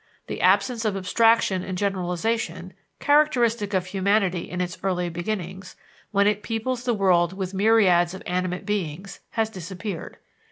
The absence of abstraction and generalization, characteristic of humanity in its early beginnings, when it peoples the world with myriads of animate beings, has disappeared.